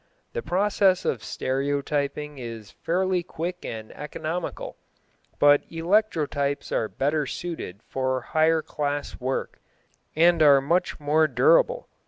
The process of stereotyping is fairly quick and economical, but electrotypes are better suited for higher class work and are much more durable.